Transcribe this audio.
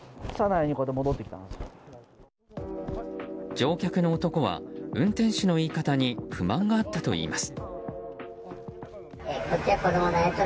乗客の男は運転手の言い方に不満があったといいます。